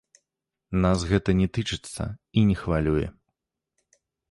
Нас гэта не тычыцца і не хвалюе.